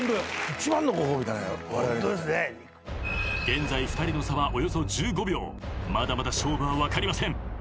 ［現在２人の差はおよそ１５秒まだまだ勝負は分かりません］